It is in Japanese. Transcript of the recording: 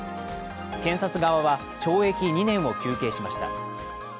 検察側は懲役２年を求刑しました。